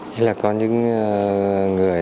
hay là có những người